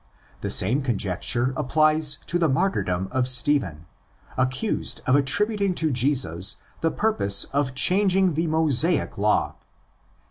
The same conjecture applies to the martyrdom of Stephen, accused of attributing to Jesus the purpose of changing the Mosaic law (vi.